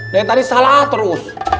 dari tadi salah terus